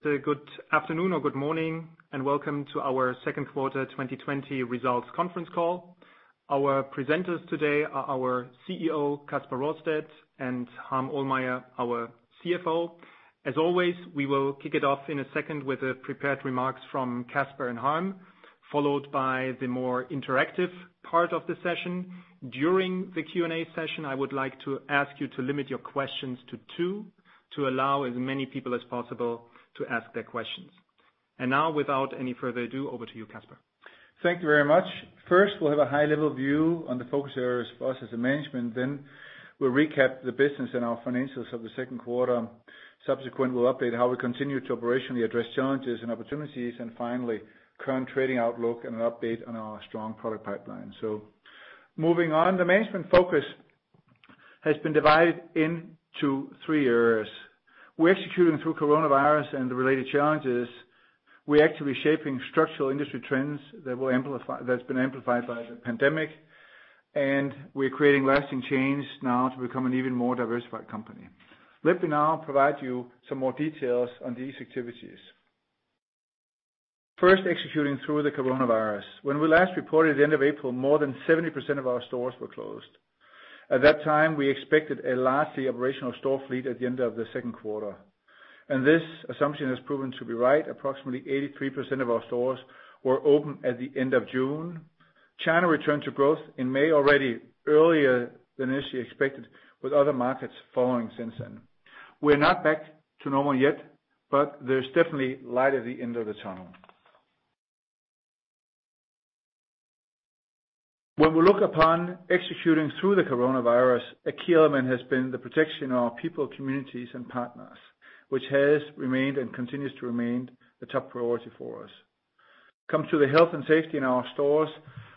Good afternoon or good morning, and welcome to our second quarter 2020 results conference call. Our presenters today are our Chief Executive Officer, Kasper Rorsted, and Harm Ohlmeyer, our Chief Financial Officer. As always, we will kick it off in a second with the prepared remarks from Kasper and Harm, followed by the more interactive part of the session. During the Q&A session, I would like to ask you to limit your questions to two, to allow as many people as possible to ask their questions. Now, without any further ado, over to you, Kasper Rorsted. Thank you very much. First, we'll have a high-level view on the focus areas for us as a management. We'll recap the business and our financials of the second quarter. Subsequent, we'll update how we continue to operationally address challenges and opportunities, and finally, current trading outlook and an update on our strong product pipeline. Moving on, the management focus has been divided into three areas. We're executing through Coronavirus and the related challenges. We're actively shaping structural industry trends that's been amplified by the pandemic, and we're creating lasting change now to become an even more diversified company. Let me now provide you some more details on these activities. First, executing through the Coronavirus. When we last reported end of April, more than 70% of our stores were closed. At that time, we expected a largely operational store fleet at the end of the second quarter, and this assumption has proven to be right. Approximately 83% of our stores were open at the end of June. China returned to growth in May, already earlier than initially expected, with other markets following since then. We're not back to normal yet, but there's definitely light at the end of the tunnel. When we look upon executing through the coronavirus, a key element has been the protection of our people, communities and partners, which has remained and continues to remain the top priority for us. When it comes to the health and safety in our stores,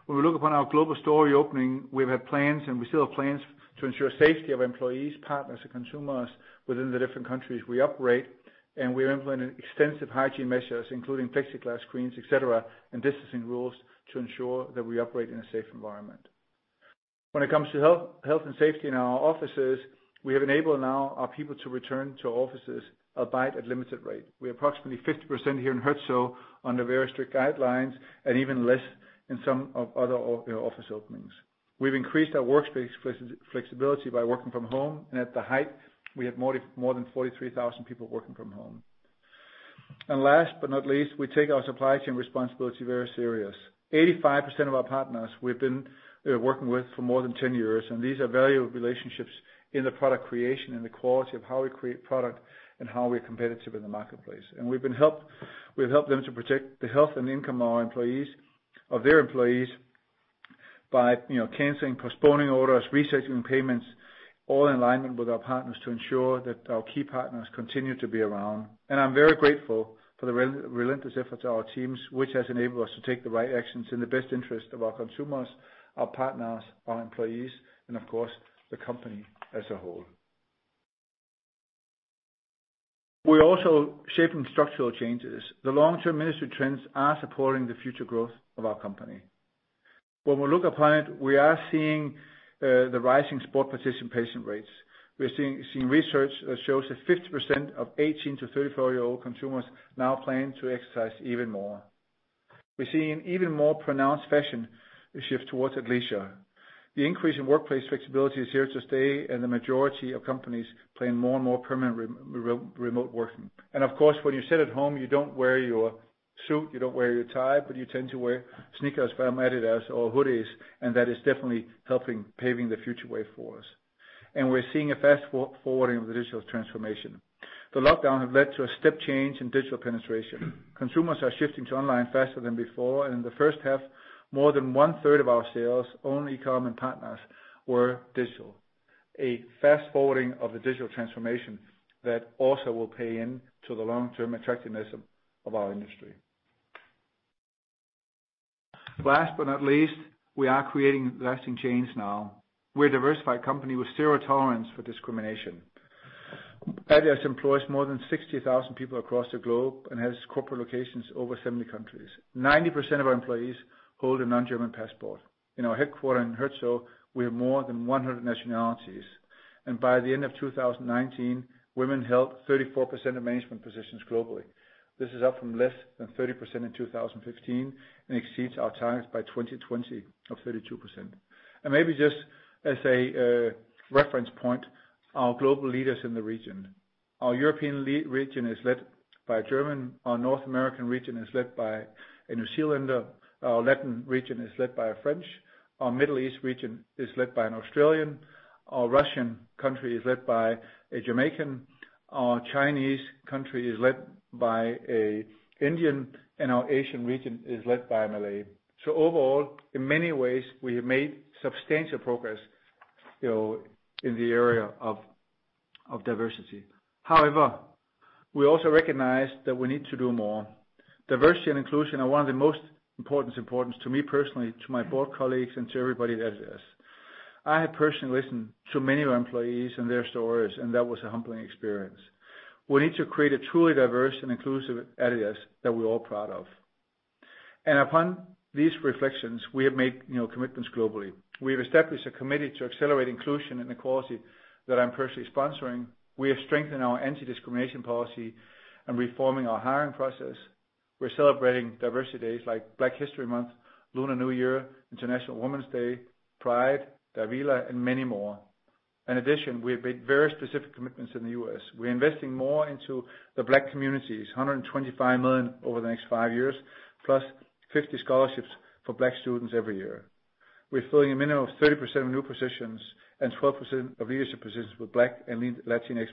when we look upon our global store reopening, we've had plans, and we still have plans, to ensure safety of employees, partners, and consumers within the different countries we operate in. We've implemented extensive hygiene measures, including plexiglass screens, et cetera, and distancing rules to ensure that we operate in a safe environment. When it comes to health and safety in our offices, we have enabled now our people to return to offices, albeit at limited rate. We're approximately 50% here in Herzogenaurach under very strict guidelines, and even less in some of other office openings. We've increased our workspace flexibility by working from home, and at the height, we had more than 43,000 people working from home. Last but not least, we take our supply chain responsibility very serious. 85% of our partners we've been working with for more than 10 years, and these are valuable relationships in the product creation and the quality of how we create product and how we're competitive in the marketplace. We've helped them to protect the health and income of their employees by canceling, postponing orders, rescheduling payments, all in alignment with our partners to ensure that our key partners continue to be around. I'm very grateful for the relentless efforts of our teams, which has enabled us to take the right actions in the best interest of our consumers, our partners, our employees, and of course, the company as a whole. We're also shaping structural changes. The long-term industry trends are supporting the future growth of our company. When we look upon it, we are seeing the rising sport participation rates. We're seeing research that shows that 50% of 18-34 year-old consumers now plan to exercise even more. We're seeing even more pronounced fashion shift towards athleisure. The increase in workplace flexibility is here to stay, and the majority of companies plan more and more permanent remote working. Of course, when you sit at home, you don't wear your suit, you don't wear your tie, but you tend to wear sneakers from adidas or hoodies, and that is definitely helping paving the future way for us. We're seeing a fast forwarding of the digital transformation. The lockdown has led to a step change in digital penetration. Consumers are shifting to online faster than before, and in the first half, more than one-third of our sales, own e-com and partners, were digital. A fast forwarding of the digital transformation that also will pay into the long-term attractiveness of our industry. Last but not least, we are creating lasting change now. We're a diversified company with zero tolerance for discrimination. adidas employs more than 60,000 people across the globe and has corporate locations over 70 countries. 90% of our employees hold a non-German passport. In our headquarter in Herzogenaurach, we have more than 100 nationalities. By the end of 2019, women held 34% of management positions globally. This is up from less than 30% in 2015 and exceeds our targets by 2020 of 32%. Maybe just as a reference point, our global leaders in the region. Our European region is led by a German, our North American region is led by a New Zealander, our Latin region is led by a French, our Middle East region is led by an Australian, our Russian country is led by a Jamaican, our Chinese country is led by a Indian, and our Asian region is led by a Malay. Overall, in many ways, we have made substantial progress in the area of diversity. However, we also recognize that we need to do more. Diversity and inclusion are one of the most importance to me personally, to my board colleagues, and to everybody at adidas. I have personally listened to many of our employees and their stories, and that was a humbling experience. We need to create a truly diverse and inclusive adidas that we're all proud of. Upon these reflections, we have made commitments globally. We have established a committee to accelerate inclusion and equality that I'm personally sponsoring. We have strengthened our anti-discrimination policy and reforming our hiring process. We're celebrating diversity days like Black History Month, Lunar New Year, International Women's Day, Pride, Diwali, and many more. In addition, we have made very specific commitments in the U.S. We're investing more into the Black communities, 125 million over the next five years, plus 50 scholarships for Black students every year. We're filling a minimum of 30% of new positions and 12% of leadership positions with Black and Latinx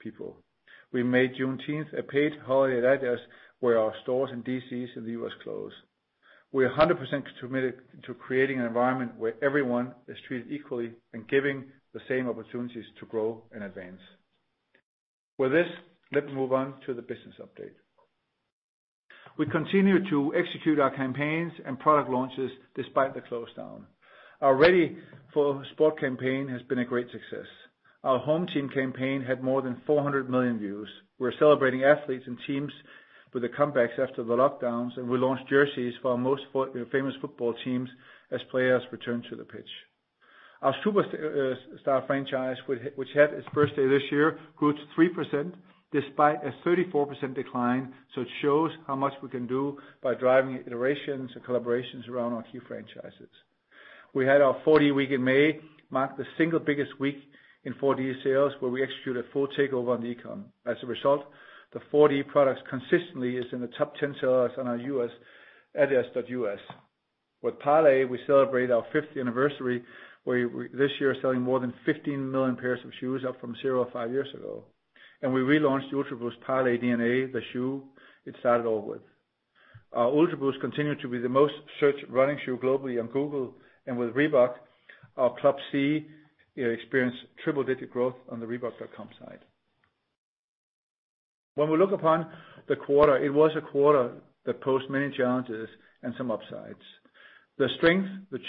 people. We made Juneteenth a paid holiday at adidas where our stores and distribution centers in the U.S. close. We are 100% committed to creating an environment where everyone is treated equally and given the same opportunities to grow and advance. With this, let me move on to the business update. We continue to execute our campaigns and product launches despite the close down. Our Ready for Sport campaign has been a great success. Our HomeTeam campaign had more than 400 million views. We're celebrating athletes and teams with their comebacks after the lockdowns, and we launched jerseys for our most famous football teams as players return to the pitch. Our Superstar franchise, which had this year, grew to 3% despite a 34% decline. It shows how much we can do by driving iterations and collaborations around our key franchises. We had our 4D week in May, marked the single biggest week in 4D sales where we executed full takeover on e-commerce. As a result, the 4D products consistently is in the top 10 sellers on our adidas.com/us. With Parley, we celebrate our fifth anniversary, where this year selling more than 15 million pairs of shoes up from zero five years ago. We relaunched Ultraboost DNA Parley, the shoe it started all with. Our Ultraboost continued to be the most searched running shoe globally on Google, and with Reebok, our Club C experienced triple digit growth on the reebok.com site. When we look upon the quarter, it was a quarter that posed many challenges and some upsides. The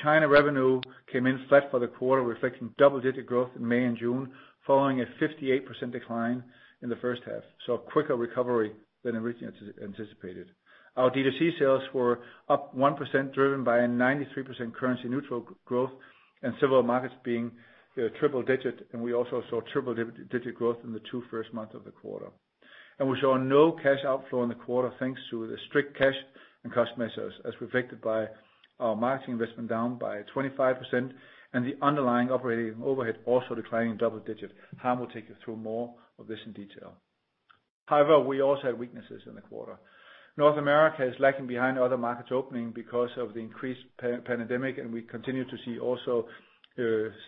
China revenue came in flat for the quarter, reflecting double-digit growth in May and June, following a 58% decline in the first half. A quicker recovery than originally anticipated. Our direct-to-consumer sales were up 1% driven by a 93% currency-neutral growth and several markets being triple-digit. We also saw triple-digit growth in the two first months of the quarter. We saw no cash outflow in the quarter, thanks to the strict cash and cost measures as reflected by our marketing investment down by 25% and the underlying operating overhead also declining double-digit. Harm will take you through more of this in detail. However, we also had weaknesses in the quarter. North America is lagging behind other markets opening because of the increased pandemic, and we continue to see also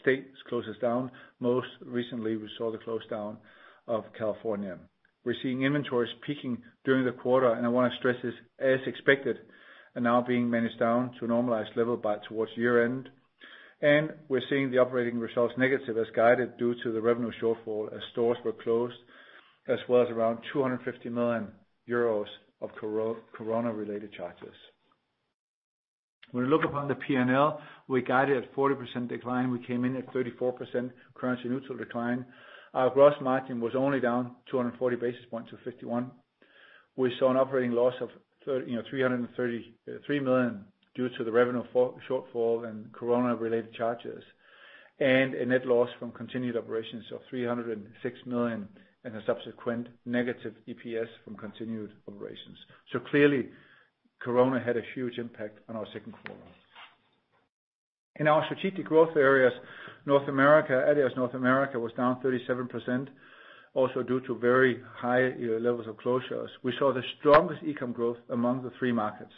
states close us down. Most recently, we saw the close down of California. We're seeing inventories peaking during the quarter, and I want to stress this as expected and now being managed down to a normalized level by towards year-end. We're seeing the operating results negative as guided due to the revenue shortfall as stores were closed as well as around 250 million euros of corona-related charges. When we look upon the P&L, we guided at 40% decline. We came in at 34% currency neutral decline. Our gross margin was only down 240 basis points to 51%. We saw an operating loss of 333 million due to the revenue shortfall and corona-related charges, and a net loss from continued operations of 306 million and a subsequent negative EPS from continued operations. Clearly, corona had a huge impact on our second quarter. In our strategic growth areas, North America, adidas North America was down 37%, also due to very high levels of closures. We saw the strongest e-com growth among the three markets.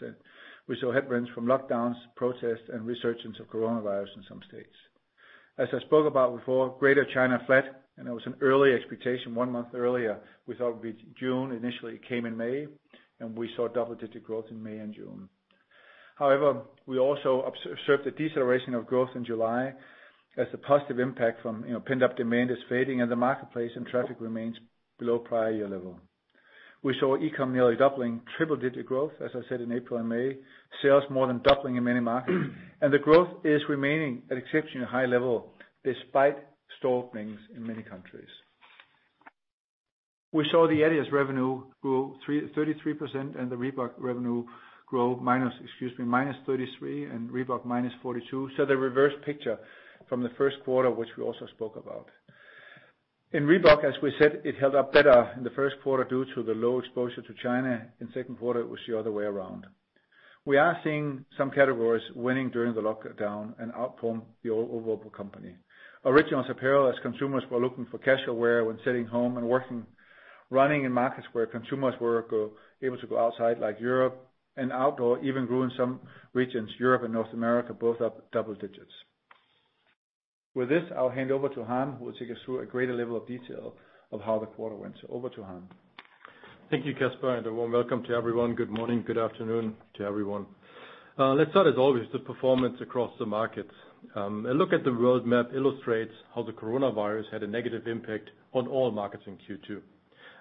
We saw headwinds from lockdowns, protests, and resurgence of coronavirus in some states. As I spoke about before, Greater China flat, and that was an early expectation one month earlier. We thought it would be June, initially it came in May, and we saw double-digit growth in May and June. We also observed a deceleration of growth in July as the positive impact from pent-up demand is fading and the marketplace and traffic remains below prior-year level. We saw e-com nearly doubling triple-digit growth, as I said, in April and May, sales more than doubling in many markets, and the growth is remaining at exceptionally high level despite store openings in many countries. We saw the adidas revenue grow 33% and the Reebok revenue grow -33% and Reebok -42%. The reverse picture from the first quarter, which we also spoke about. In Reebok, as we said, it held up better in the first quarter due to the low exposure to China. In second quarter, it was the other way around. We are seeing some categories winning during the lockdown and outpace the overall company. Originals apparel, as consumers were looking for casual wear when sitting home and working, running in markets where consumers were able to go outside like Europe and outdoor even grew in some regions, Europe and North America both up double digits. With this, I'll hand over to Harm, who will take us through a greater level of detail of how the quarter went. Over to Harm Ohlmeyer. Thank you, Kasper, and a warm welcome to everyone. Good morning. Good afternoon to everyone. Let's start as always with the performance across the markets. A look at the roadmap illustrates how the coronavirus had a negative impact on all markets in Q2.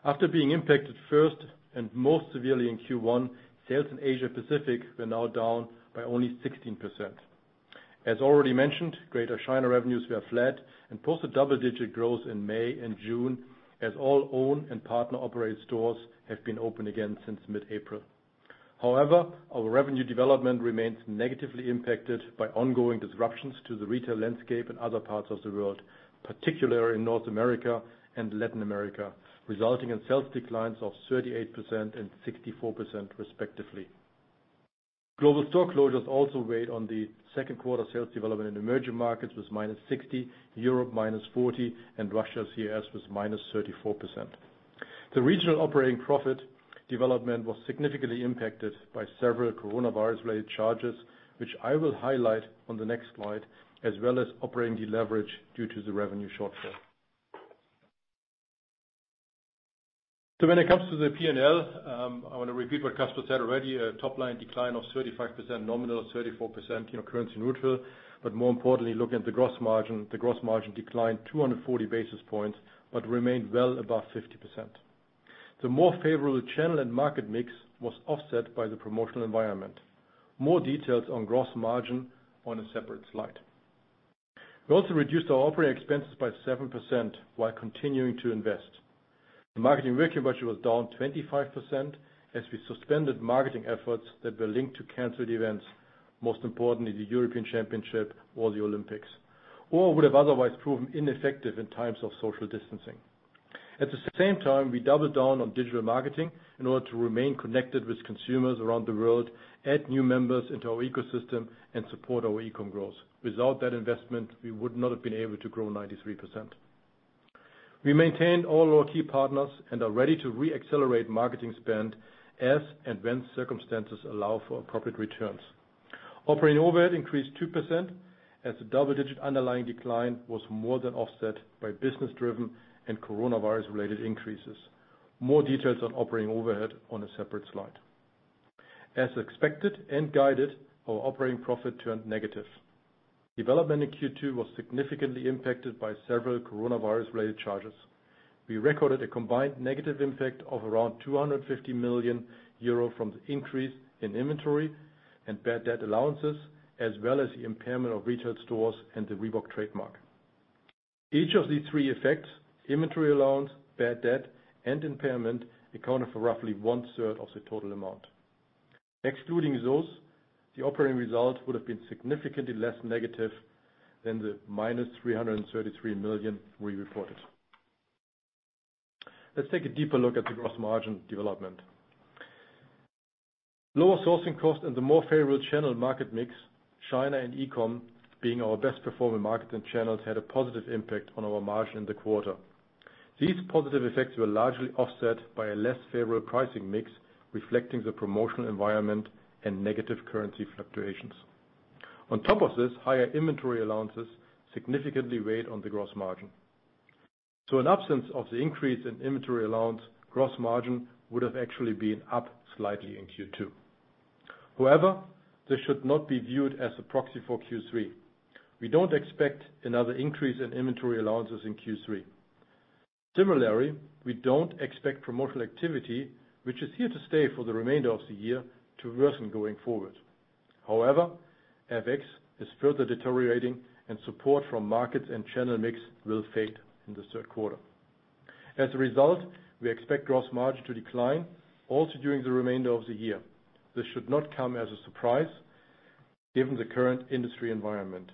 After being impacted first and most severely in Q1, sales in Asia Pacific were now down by only 16%. As already mentioned, Greater China revenues were flat and posted double-digit growth in May and June as all owned and partner-operated stores have been open again since mid-April. However, our revenue development remains negatively impacted by ongoing disruptions to the retail landscape in other parts of the world, particularly in North America and Latin America, resulting in sales declines of 38% and 64% respectively. Global store closures also weighed on the second quarter sales development in emerging markets with -60%, Europe -40%, and Russia/CIS was -34%. The regional operating profit development was significantly impacted by several coronavirus-related charges, which I will highlight on the next slide, as well as operating deleverage due to the revenue shortfall. When it comes to the P&L, I want to repeat what Kasper said already, a top-line decline of 35% nominal, 34% currency neutral, but more importantly, looking at the gross margin, the gross margin declined 240 basis points but remained well above 50%. The more favorable channel and market mix was offset by the promotional environment. More details on gross margin on a separate slide. We also reduced our operating expenses by 7% while continuing to invest. The marketing working budget was down 25% as we suspended marketing efforts that were linked to canceled events, most importantly, the European Championship or the Olympics, or would have otherwise proven ineffective in times of social distancing. At the same time, we doubled down on digital marketing in order to remain connected with consumers around the world, add new members into our ecosystem, and support our e-com growth. Without that investment, we would not have been able to grow 93%. We maintained all our key partners and are ready to re-accelerate marketing spend as and when circumstances allow for appropriate returns. Operating overhead increased 2% as the double-digit underlying decline was more than offset by business-driven and coronavirus-related increases. More details on operating overhead on a separate slide. As expected and guided, our operating profit turned negative. Development in Q2 was significantly impacted by several coronavirus-related charges. We recorded a combined negative impact of around 250 million euro from the increase in inventory and bad debt allowances, as well as the impairment of retail stores and the Reebok trademark. Each of these three effects, inventory allowance, bad debt, and impairment, accounted for roughly 1/3 of the total amount. Excluding those, the operating result would have been significantly less negative than the minus 333 million we reported. Let's take a deeper look at the gross margin development. Lower sourcing costs and the more favorable channel market mix, China and e-commerce being our best performing markets and channels, had a positive impact on our margin in the quarter. These positive effects were largely offset by a less favorable pricing mix reflecting the promotional environment and negative currency fluctuations. On top of this, higher inventory allowances significantly weighed on the gross margin. In absence of the increase in inventory allowance, gross margin would have actually been up slightly in Q2. However, this should not be viewed as a proxy for Q3. We don't expect another increase in inventory allowances in Q3. Similarly, we don't expect promotional activity, which is here to stay for the remainder of the year, to worsen going forward. However, FX is further deteriorating and support from markets and channel mix will fade in the third quarter. As a result, we expect gross margin to decline also during the remainder of the year. This should not come as a surprise given the current industry environment.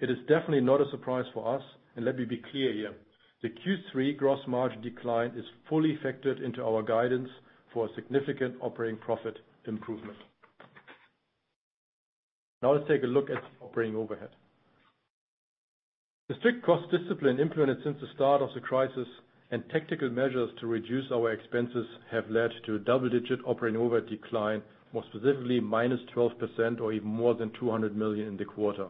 It is definitely not a surprise for us, and let me be clear here. The Q3 gross margin decline is fully factored into our guidance for a significant operating profit improvement. Let's take a look at operating overhead. The strict cost discipline implemented since the start of the crisis and tactical measures to reduce our expenses have led to a double-digit operating overhead decline, more specifically -12% or even more than 200 million in the quarter.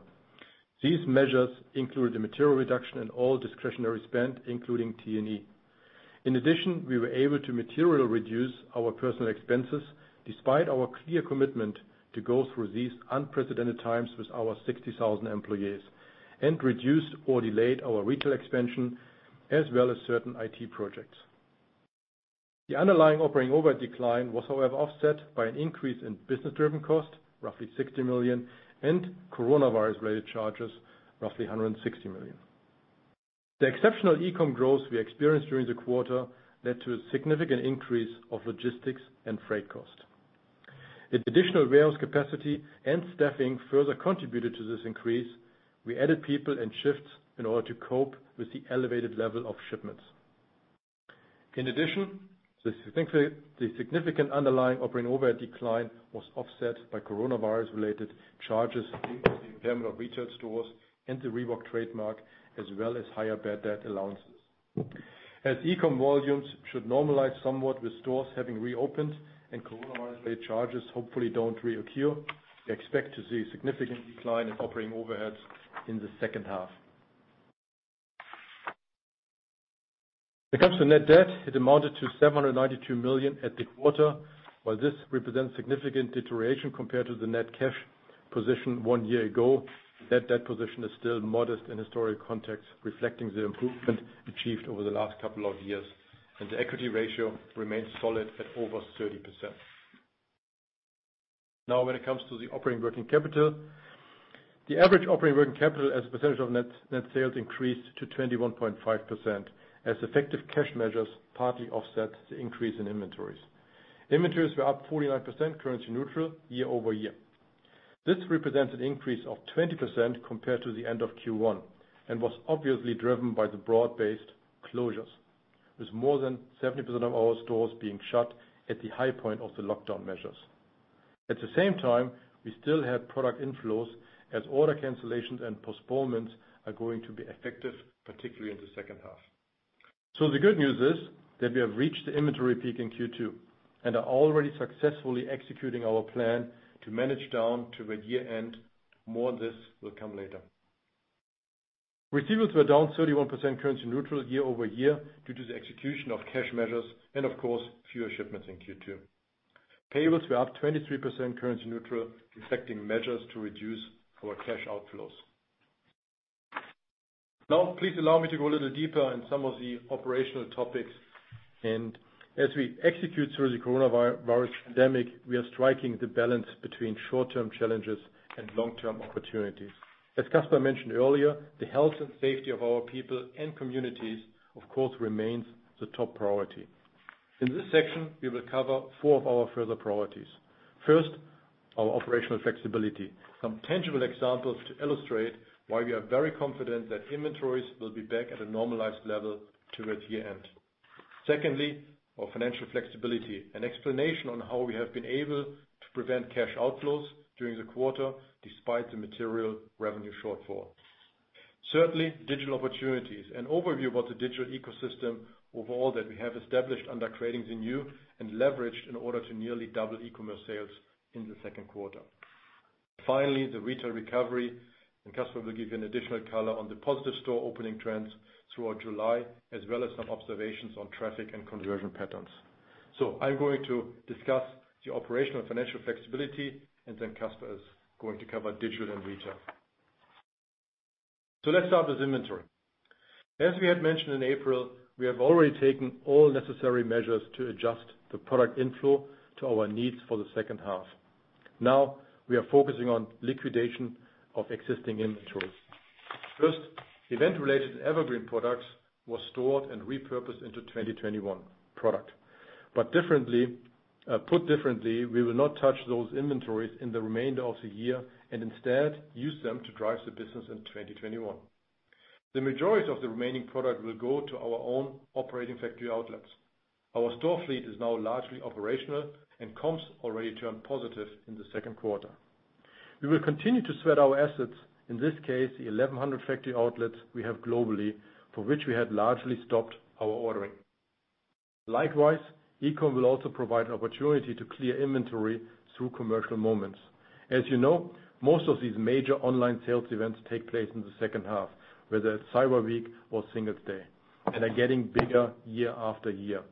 These measures include a material reduction in all discretionary spend, including T&E. In addition, we were able to materially reduce our personal expenses despite our clear commitment to go through these unprecedented times with our 60,000 employees and reduce or delay our retail expansion as well as certain IT projects. The underlying operating overhead decline was, however, offset by an increase in business-driven costs, 60 million, and coronavirus-related charges, 160 million. The exceptional e-com growth we experienced during the quarter led to a significant increase of logistics and freight costs. The additional warehouse capacity and staffing further contributed to this increase. We added people and shifts in order to cope with the elevated level of shipments. In addition, the significant underlying operating overhead decline was offset by coronavirus-related charges due to the impairment of retail stores and the Reebok trademark, as well as higher bad debt allowances. As e-commerce volumes should normalize somewhat with stores having reopened and coronavirus-related charges hopefully don't reoccur, we expect to see a significant decline in operating overheads in the second half. When it comes to net debt, it amounted to 792 million at the quarter. While this represents significant deterioration compared to the net cash position one year ago, net debt position is still modest in historic context, reflecting the improvement achieved over the last couple of years, and the equity ratio remains solid at over 30%. Now when it comes to the operating working capital, the average operating working capital as a percentage of net sales increased to 21.5% as effective cash measures partly offset the increase in inventories. Inventories were up 49% currency neutral year-over-year. This represents an increase of 20% compared to the end of Q1, was obviously driven by the broad-based closures, with more than 70% of our stores being shut at the high point of the lockdown measures. At the same time, we still had product inflows as order cancellations and postponements are going to be effective, particularly in the second half. The good news is that we have reached the inventory peak in Q2 and are already successfully executing our plan to manage down toward year-end. More on this will come later. Receivables were down 31% currency neutral year-over-year due to the execution of cash measures and of course, fewer shipments in Q2. Payables were up 23% currency neutral, affecting measures to reduce our cash outflows. Please allow me to go a little deeper in some of the operational topics. As we execute through the coronavirus pandemic, we are striking the balance between short-term challenges and long-term opportunities. As Kasper mentioned earlier, the health and safety of our people and communities, of course, remains the top priority. In this section, we will cover four of our further priorities. First, our operational flexibility. Some tangible examples to illustrate why we are very confident that inventories will be back at a normalized level towards year-end. Secondly, our financial flexibility. An explanation on how we have been able to prevent cash outflows during the quarter despite the material revenue shortfall. Certainly, digital opportunities. An overview about the digital ecosystem overall that we have established under Create the New and leveraged in order to nearly double e-commerce sales in the second quarter. Finally, the retail recovery. Kasper will give you an additional color on the positive store opening trends throughout July, as well as some observations on traffic and conversion patterns. I'm going to discuss the operational and financial flexibility, and then Kasper is going to cover digital and retail. Let's start with inventory. As we had mentioned in April, we have already taken all necessary measures to adjust the product inflow to our needs for the second half. Now we are focusing on liquidation of existing inventories. First, event-related evergreen products was stored and repurposed into 2021 product. Put differently, we will not touch those inventories in the remainder of the year and instead use them to drive the business in 2021. The majority of the remaining product will go to our own operating factory outlets. Our store fleet is now largely operational and comps already turned positive in the second quarter. We will continue to sweat our assets, in this case, the 1,100 factory outlets we have globally, for which we had largely stopped our ordering. Likewise, e-com will also provide an opportunity to clear inventory through commercial moments. As you know, most of these major online sales events take place in the second half, whether it's Cyber Week or Singles' Day, and are getting bigger year after year.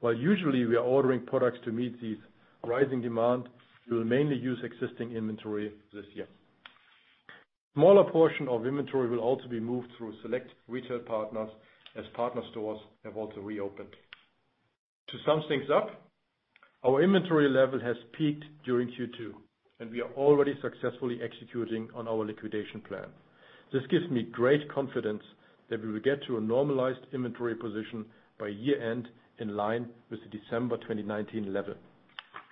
While usually we are ordering products to meet these rising demand, we will mainly use existing inventory this year. Smaller portion of inventory will also be moved through select retail partners as partner stores have also reopened. To sum things up, our inventory level has peaked during Q2, and we are already successfully executing on our liquidation plan. This gives me great confidence that we will get to a normalized inventory position by year-end in line with the December 2019 level.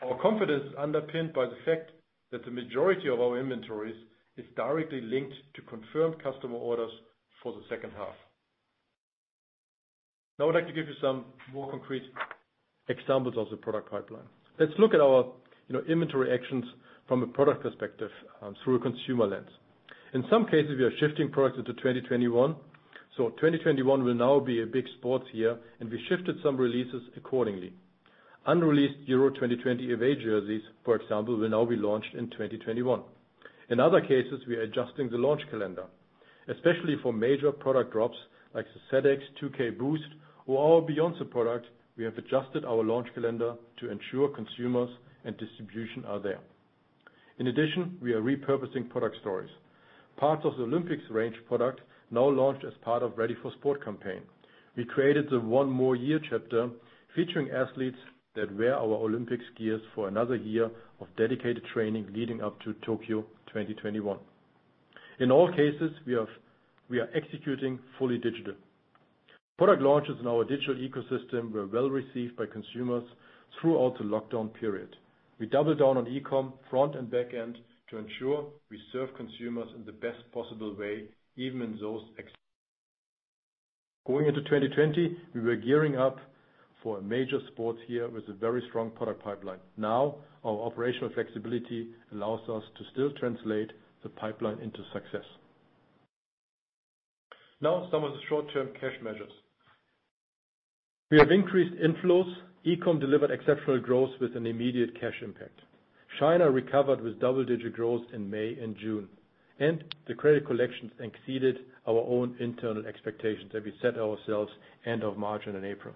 Our confidence is underpinned by the fact that the majority of our inventories is directly linked to confirmed customer orders for the second half. I'd like to give you some more concrete examples of the product pipeline. Let's look at our inventory actions from a product perspective through a consumer lens. In some cases, we are shifting products into 2021. 2021 will now be a big sports year, and we shifted some releases accordingly. Unreleased Euro 2020 away jerseys, for example, will now be launched in 2021. In other cases, we are adjusting the launch calendar, especially for major product drops like the ZX 2K Boost. Beyond the product, we have adjusted our launch calendar to ensure consumers and distribution are there. In addition, we are repurposing product stories. Part of the Olympics range product now launched as part of Ready for Sport campaign. We created the What's One More chapter featuring athletes that wear our Olympics gears for another year of dedicated training leading up to Tokyo 2021. In all cases, we are executing fully digital. Product launches in our digital ecosystem were well-received by consumers throughout the lockdown period. We doubled down on e-commerce front and back end to ensure we serve consumers in the best possible way. Going into 2020, we were gearing up for a major sports year with a very strong product pipeline. Our operational flexibility allows us to still translate the pipeline into success. Some of the short-term cash measures. We have increased inflows. E-commerce delivered exceptional growth with an immediate cash impact. China recovered with double-digit growth in May and June. The credit collections exceeded our own internal expectations that we set ourselves end of March and in April.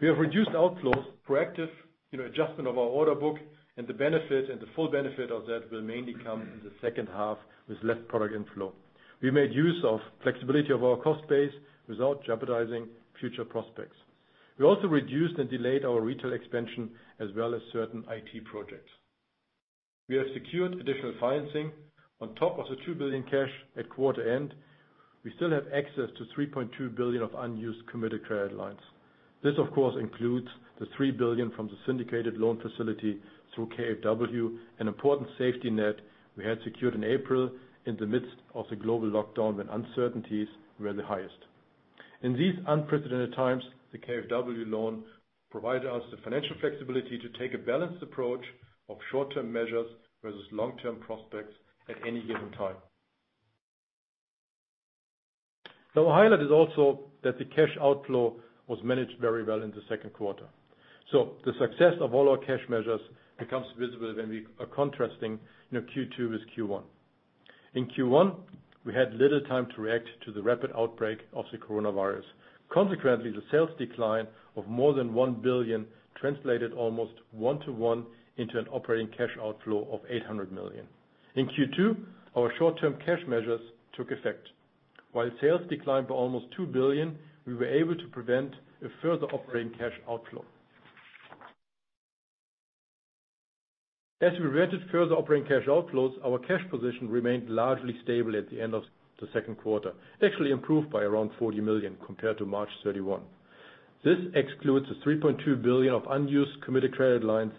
We have reduced outflows, proactive adjustment of our order book, and the full benefit of that will mainly come in the second half with less product inflow. We made use of flexibility of our cost base without jeopardizing future prospects. We also reduced and delayed our retail expansion as well as certain IT projects. We have secured additional financing on top of the 2 billion cash at quarter end. We still have access to 3.2 billion of unused committed credit lines. This, of course, includes the 3 billion from the syndicated loan facility through KfW, an important safety net we had secured in April in the midst of the global lockdown when uncertainties were the highest. In these unprecedented times, the KfW loan provided us the financial flexibility to take a balanced approach of short-term measures versus long-term prospects at any given time. A highlight is also that the cash outflow was managed very well in the second quarter. The success of all our cash measures becomes visible when we are contrasting Q2 with Q1. In Q1, we had little time to react to the rapid outbreak of the coronavirus. Consequently, the sales decline of more than 1 billion translated almost one-to-one into an operating cash outflow of 800 million. In Q2, our short-term cash measures took effect. While sales declined by almost 2 billion, we were able to prevent a further operating cash outflow. As we limited further operating cash outflows, our cash position remained largely stable at the end of the second quarter, actually improved by around 40 million compared to March 31. This excludes the 3.2 billion of unused committed credit lines,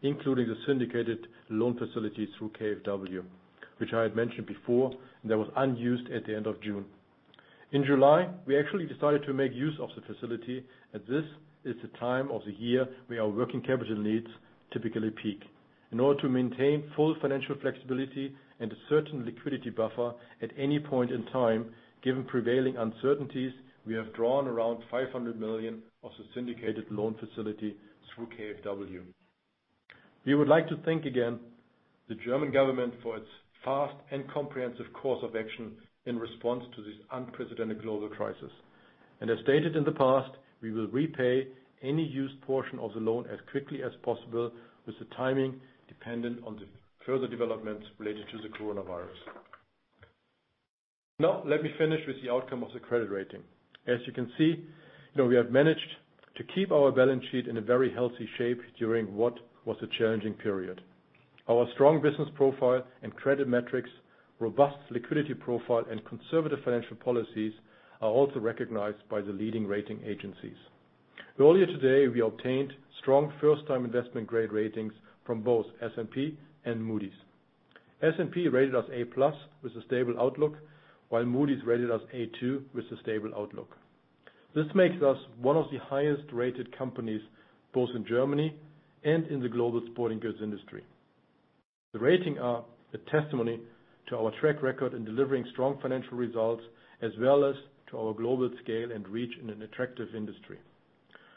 including the syndicated loan facilities through KfW, which I had mentioned before, and that was unused at the end of June. In July, we actually decided to make use of the facility, as this is the time of the year where our working capital needs typically peak. In order to maintain full financial flexibility and a certain liquidity buffer at any point in time, given prevailing uncertainties, we have drawn around 500 million of the syndicated loan facility through KfW. We would like to thank again the German government for its fast and comprehensive course of action in response to this unprecedented global crisis. As stated in the past, we will repay any used portion of the loan as quickly as possible with the timing dependent on the further developments related to the coronavirus. Let me finish with the outcome of the credit rating. As you can see, we have managed to keep our balance sheet in a very healthy shape during what was a challenging period. Our strong business profile and credit metrics, robust liquidity profile, and conservative financial policies are also recognized by the leading rating agencies. Earlier today, we obtained strong first-time investment-grade ratings from both S&P and Moody's. S&P rated us A+ with a stable outlook, while Moody's rated us A2 with a stable outlook. This makes us one of the highest-rated companies, both in Germany and in the global sporting goods industry. The ratings are a testimony to our track record in delivering strong financial results as well as to our global scale and reach in an attractive industry.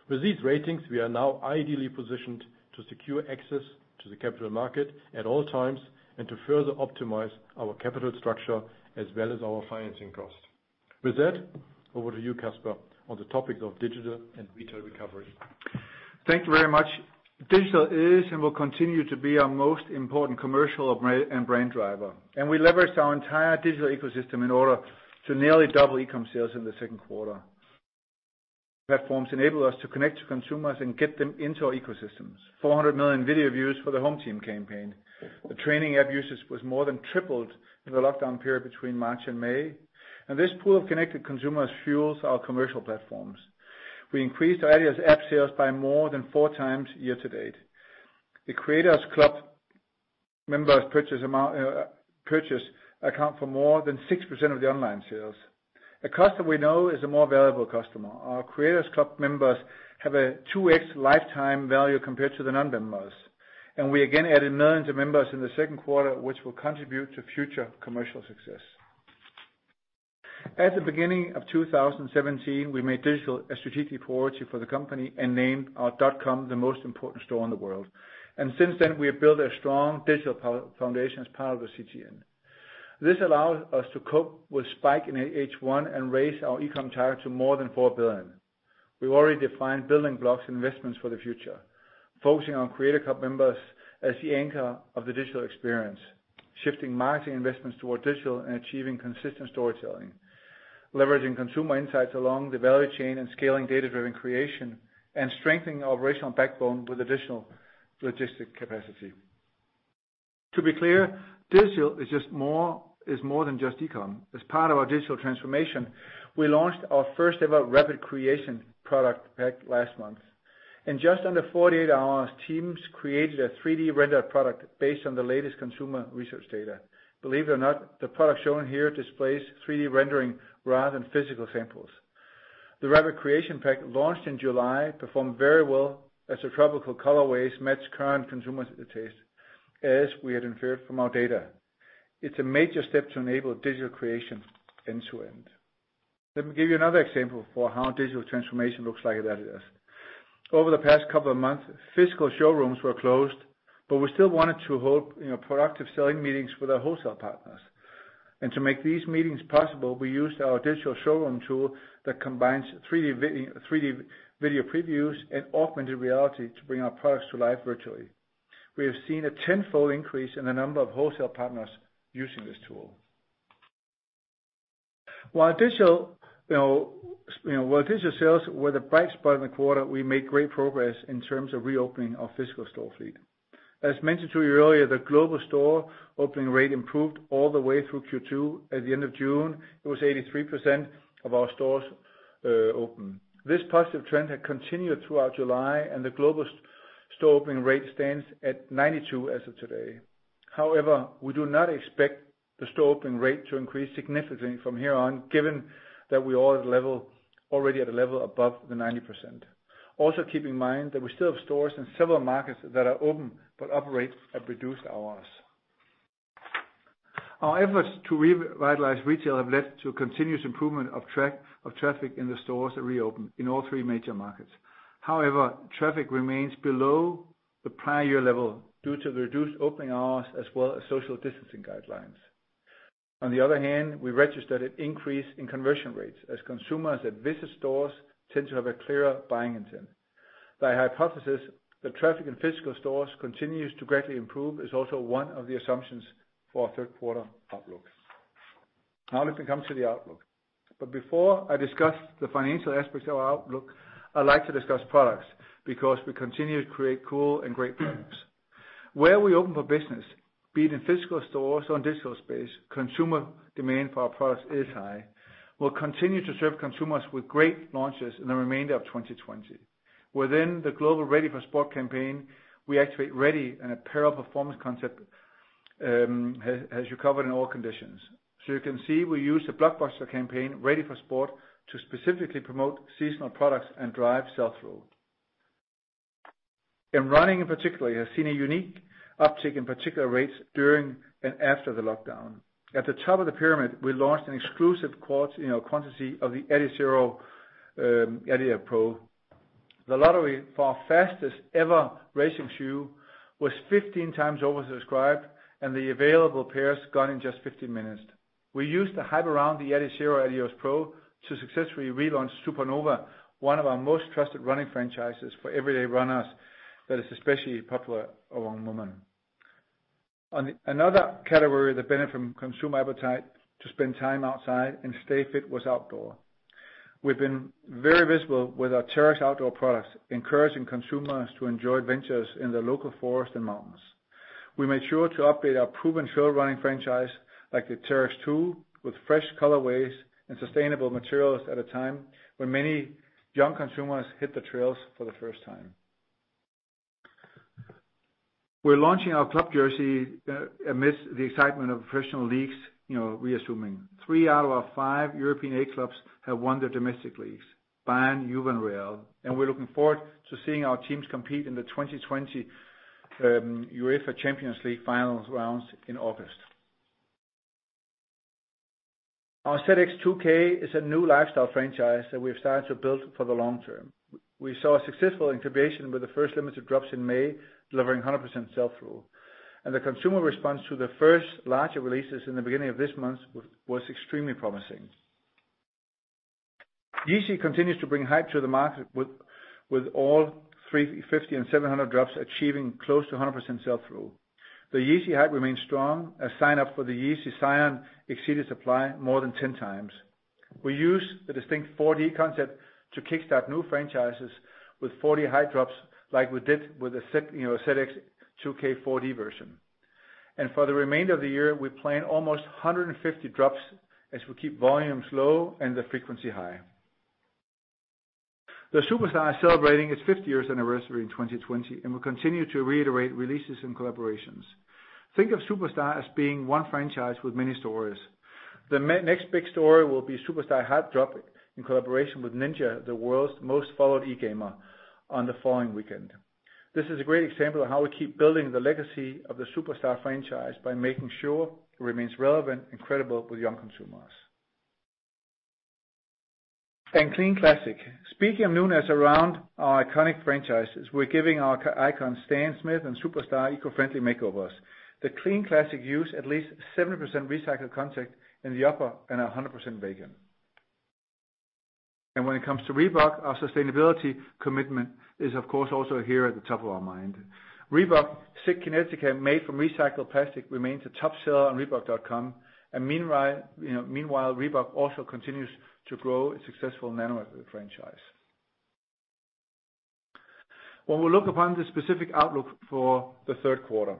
With these ratings, we are now ideally positioned to secure access to the capital market at all times and to further optimize our capital structure as well as our financing cost. Over to you, Kasper, on the topic of digital and retail recovery. Thank you very much. Digital is and will continue to be our most important commercial and brand driver, and we leveraged our entire digital ecosystem in order to nearly double e-commerce sales in the second quarter. Platforms enable us to connect to consumers and get them into our ecosystems. 400 million video views for the HomeTeam campaign. The training app usage was more than tripled in the lockdown period between March and May. This pool of connected consumers fuels our commercial platforms. We increased our adidas app sales by more than four times year to date. The Creators Club members' purchase account for more than 6% of the online sales. A customer we know is a more valuable customer. Our Creators Club members have a 2x lifetime value compared to the non-members, and we again added millions of members in the second quarter, which will contribute to future commercial success. At the beginning of 2017, we made digital a strategic priority for the company and named our dotcom the most important store in the world. Since then, we have built a strong digital foundation as part of the CTN. This allows us to cope with spike in H1 and raise our e-commerce target to more than 4 billion. We've already defined building blocks investments for the future, focusing on Creators Club members as the anchor of the digital experience, shifting marketing investments toward digital and achieving consistent storytelling, leveraging consumer insights along the value chain and scaling data-driven creation, and strengthening our operational backbone with additional logistic capacity. To be clear, digital is more than just e-commerce. As part of our digital transformation, we launched our first-ever Rapid Creation product pack last month. In just under 48 hours, teams created a 3D-rendered product based on the latest consumer research data. Believe it or not, the product shown here displays 3D rendering rather than physical samples. The Rapid Creation pack launched in July performed very well as the tropical colorways match current consumer taste, as we had inferred from our data. It's a major step to enable digital creation end to end. Let me give you another example for how our digital transformation looks like at adidas. Over the past couple of months, physical showrooms were closed, but we still wanted to hold productive selling meetings with our wholesale partners. To make these meetings possible, we used our digital showroom tool that combines 3D video previews and augmented reality to bring our products to life virtually. We have seen a tenfold increase in the number of wholesale partners using this tool. While digital sales were the bright spot in the quarter, we made great progress in terms of reopening our physical store fleet. As mentioned to you earlier, the global store opening rate improved all the way through Q2. At the end of June, it was 83% of our stores open. This positive trend had continued throughout July, and the global store opening rate stands at 92% as of today. However, we do not expect the store opening rate to increase significantly from here on, given that we are already at a level above the 90%. Also keep in mind that we still have stores in several markets that are open, but operate at reduced hours. Our efforts to revitalize retail have led to continuous improvement of traffic in the stores that reopened in all three major markets. However, traffic remains below the prior year level due to the reduced opening hours, as well as social distancing guidelines. On the other hand, we registered an increase in conversion rates as consumers that visit stores tend to have a clearer buying intent. By hypothesis, the traffic in physical stores continues to greatly improve is also one of the assumptions for our third quarter outlook. Now let me come to the outlook. Before I discuss the financial aspects of our outlook, I'd like to discuss products, because we continue to create cool and great products. Where we're open for business, be it in physical stores or in digital space, consumer demand for our products is high. We'll continue to serve consumers with great launches in the remainder of 2020. Within the global Ready for Sport campaign, we activate ready and apparel performance concept has you covered in all conditions. You can see we use the blockbuster campaign Ready for Sport to specifically promote seasonal products and drive sell-through. In running in particular, you have seen a unique uptick in participation rates during and after the lockdown. At the top of the pyramid, we launched an exclusive quantity of the Adizero Adios Pro. The lottery for our fastest-ever racing shoe was 15x oversubscribed, and the available pairs gone in just 15 minutes. We used the hype around the Adizero Adios Pro to successfully relaunch Supernova, one of our most trusted running franchises for everyday runners that is especially popular among women. Another category that benefited from consumer appetite to spend time outside and stay fit was outdoor. We've been very visible with our Terrex outdoor products, encouraging consumers to enjoy adventures in the local forest and mountains. We made sure to update our proven trail running franchise, like the Terrex Two, with fresh colorways and sustainable materials at a time when many young consumers hit the trails for the first time. We're launching our club jersey amidst the excitement of professional leagues resuming. Three out of our five European A clubs have won their domestic leagues, Bayern, Juve, and Real, and we're looking forward to seeing our teams compete in the 2020 UEFA Champions League finals rounds in August. Our ZX 2K is a new lifestyle franchise that we've started to build for the long term. We saw a successful incubation with the first limited drops in May, delivering 100% sell-through. The consumer response to the first larger releases in the beginning of this month was extremely promising. Yeezy continues to bring hype to the market, with all 350 and 700 drops achieving close to 100% sell-through. The Yeezy hype remains strong as sign-up for the Yeezy Zyon exceeded supply more than 10x. We use the distinct 4D concept to kickstart new franchises with 4D hype drops, like we did with the ZX 2K 4D version. For the remainder of the year, we plan almost 150 drops as we keep volumes low and the frequency high. The Superstar is celebrating its 50th anniversary in 2020, and we'll continue to reiterate releases and collaborations. Think of Superstar as being one franchise with many stories. The next big story will be Superstar hype drop in collaboration with Ninja, the world's most followed e-gamer, on the following weekend. This is a great example of how we keep building the legacy of the Superstar franchise by making sure it remains relevant and credible with young consumers. Clean Classics. Speaking of newness around our iconic franchises, we're giving our icons Stan Smith and Superstar eco-friendly makeovers. The Clean Classics use at least 70% recycled content in the upper and are 100% vegan. When it comes to Reebok, our sustainability commitment is of course also here at the top of our mind. Reebok's Zig Kinetica made from recycled plastic remains a top seller on reebok.com. Meanwhile, Reebok also continues to grow its successful Nano franchise. When we look upon the specific outlook for the third quarter,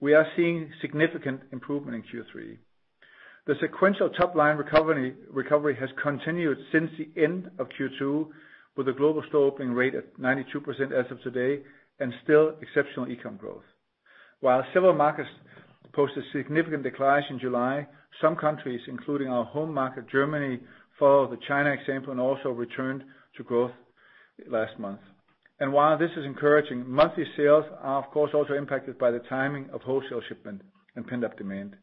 we are seeing significant improvement in Q3. The sequential top-line recovery has continued since the end of Q2, with a global store opening rate at 92% as of today, and still exceptional e-commerce growth. While several markets posted significant declines in July, some countries, including our home market, Germany, followed the China example and also returned to growth last month. While this is encouraging, monthly sales are of course also impacted by the timing of wholesale shipment and pent-up demand.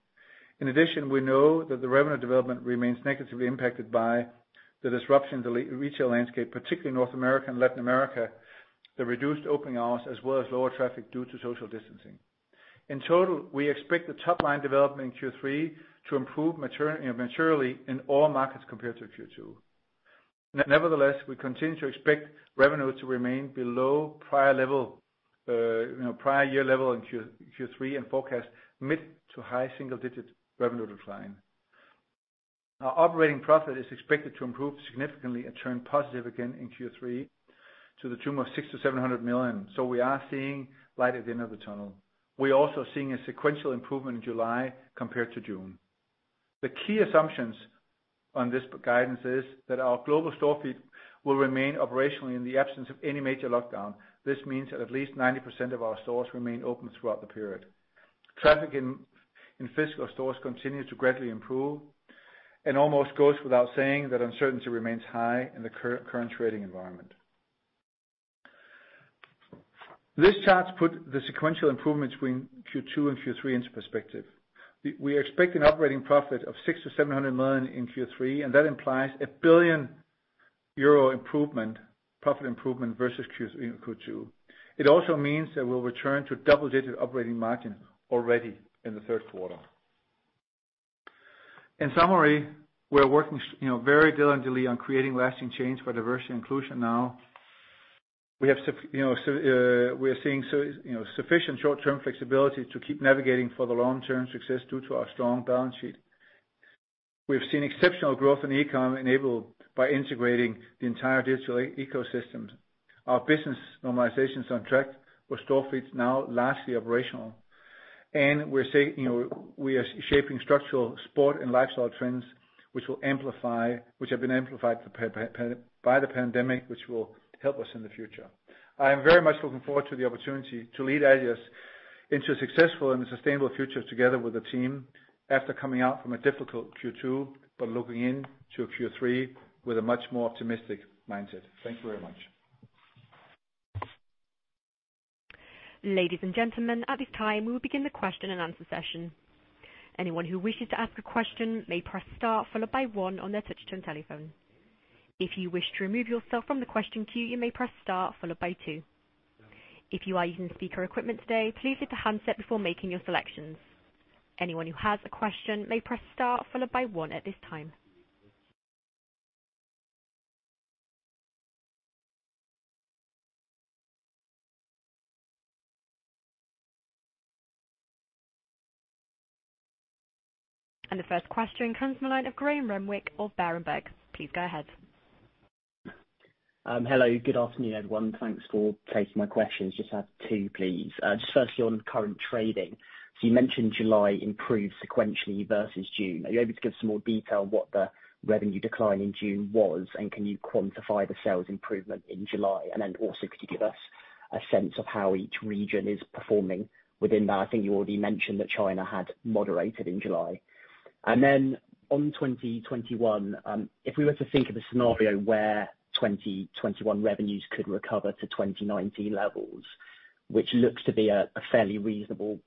In addition, we know that the revenue development remains negatively impacted by the disruption in the retail landscape, particularly North America and Latin America, the reduced opening hours, as well as lower traffic due to social distancing. In total, we expect the top-line development in Q3 to improve materially in all markets compared to Q2. Nevertheless, we continue to expect revenue to remain below prior year level in Q3 and forecast mid to high single-digit revenue decline. Our operating profit is expected to improve significantly and turn positive again in Q3 to the tune of 600 million-700 million. We are seeing light at the end of the tunnel. We're also seeing a sequential improvement in July compared to June. The key assumptions on this guidance is that our global store fleet will remain operational in the absence of any major lockdown. This means that at least 90% of our stores remain open throughout the period. Traffic in physical stores continue to gradually improve, and almost goes without saying that uncertainty remains high in the current trading environment. This chart put the sequential improvement between Q2 and Q3 into perspective. We expect an operating profit of 600 million-700 million in Q3, and that implies a 1 billion euro improvement, profit improvement versus Q2. It also means that we'll return to double-digit operating margin already in the third quarter. In summary, we are working very diligently on creating lasting change for diversity inclusion now. We're seeing sufficient short-term flexibility to keep navigating for the long-term success due to our strong balance sheet. We've seen exceptional growth in e-commerce enabled by integrating the entire digital ecosystems. Our business normalization is on track with store fleets now lastly operational. We are shaping structural sport and lifestyle trends which have been amplified by the pandemic, which will help us in the future. I am very much looking forward to the opportunity to lead adidas into a successful and sustainable future together with the team after coming out from a difficult Q2, but looking in to a Q3 with a much more optimistic mindset. Thank you very much. Ladies and gentlemen, at this time, we'll begin the question and answer session. Anyone who wishes to ask a question may press star followed by one on their touch-tone telephone. If you wish to remove yourself from the question queue, you may press star followed by two. If you are using speaker equipment today, please lift the handset before making your selections. Anyone who has a question may press star followed by one at this time. The first question comes from the line of Graham Renwick of Berenberg. Please go ahead. Hello. Good afternoon, everyone. Thanks for taking my questions. Just have two, please. Just firstly, on current trading. You mentioned July improved sequentially versus June. Are you able to give some more detail on what the revenue decline in June was? Can you quantify the sales improvement in July? Also, could you give us a sense of how each region is performing within that? I think you already mentioned that China had moderated in July. On 2021, if we were to think of a scenario where 2021 revenues could recover to 2019 levels, which looks to be a fairly reasonable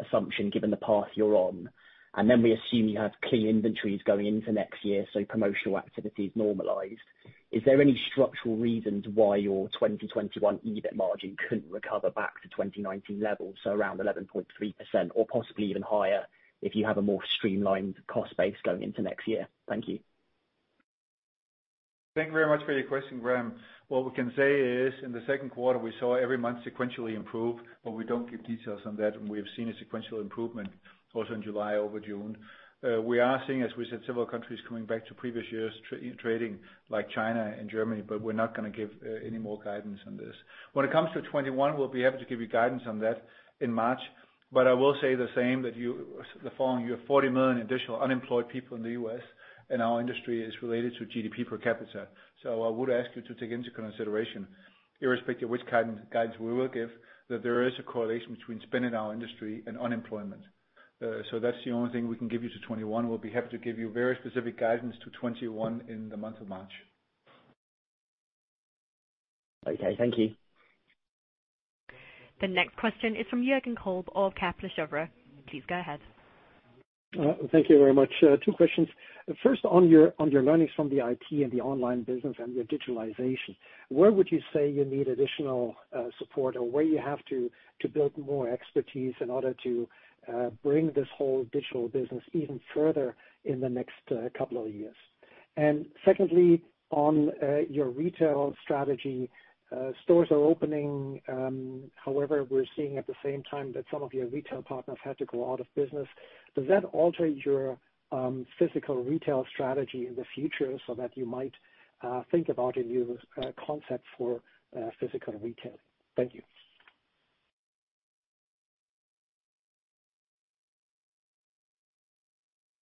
assumption given the path you're on, and then we assume you have clean inventories going into next year, so promotional activity is normalized. Is there any structural reasons why your 2021 EBIT margin couldn't recover back to 2019 levels, so around 11.3% or possibly even higher if you have a more streamlined cost base going into next year? Thank you. Thank you very much for your question, Graham. What we can say is, in the second quarter, we saw every month sequentially improve. We don't give details on that. We have seen a sequential improvement also in July over June. We are seeing, as we said, several countries coming back to previous years trading, like China and Germany. We are not going to give any more guidance on this. When it comes to 2021, we will be happy to give you guidance on that in March. I will say the same that you, the following, you have 40 million additional unemployed people in the U.S. Our industry is related to GDP per capita. I would ask you to take into consideration, irrespective which guidance we will give, that there is a correlation between spend in our industry and unemployment. That's the only thing we can give you to 2021. We'll be happy to give you very specific guidance to 2021 in the month of March. Okay. Thank you. The next question is from Jürgen Kolb of Kepler Cheuvreux. Please go ahead. Thank you very much. Two questions. First, on your learnings from the IT and the online business and your digitalization, where would you say you need additional support or where you have to build more expertise in order to bring this whole digital business even further in the next couple of years? Secondly, on your retail strategy. Stores are opening, however, we're seeing at the same time that some of your retail partners had to go out of business. Does that alter your physical retail strategy in the future so that you might think about a new concept for physical retail? Thank you.